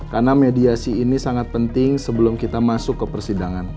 karena mediasi ini sangat penting sebelum kita masuk ke persidangan